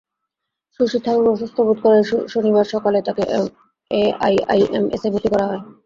শশী থারুর অসুস্থ বোধ করায় শনিবার সকালে তাঁকে এআইআইএমএসে ভর্তি করা হয়।